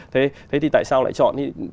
thế thì tại sao lại chọn